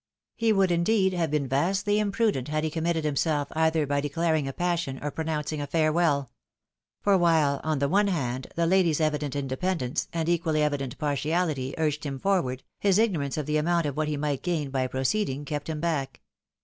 He would, indeed, have been vastly imprudent had he committed himself either by declaring a passion or pronouncing a farewell. For while, on the one hand, the lady's evident independence, and equally evident partiality, urged him forward, his ignorance of the amount of what he might gain by proceeding, kept him back.